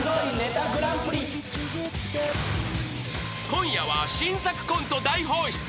［今夜は新作コント大放出。